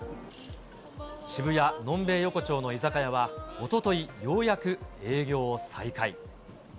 渋谷のんべい横丁の居酒屋はおととい、ようやく営業を再開。